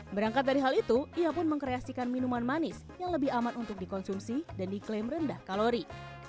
berangkat dari hal itu ia pun mengkreasikan minuman manis yang lebih aman untuk dikonsumsi dan diklaim rendah kalori